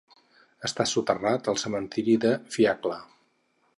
Està soterrat al cementiri de Fiacla.